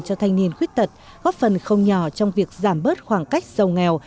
cho thanh niên khuyết tật góp phần không nhỏ trong việc giảm bớt khoảng cách giàu nghèo